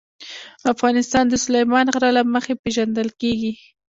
افغانستان د سلیمان غر له مخې پېژندل کېږي.